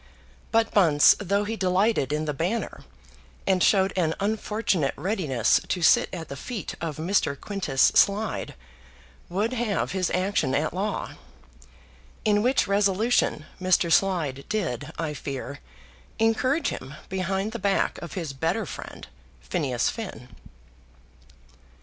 But Bunce, though he delighted in the Banner, and showed an unfortunate readiness to sit at the feet of Mr. Quintus Slide, would have his action at law; in which resolution Mr. Slide did, I fear, encourage him behind the back of his better friend, Phineas Finn.